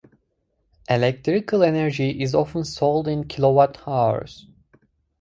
Electrical energy is often sold in kilowatt hours.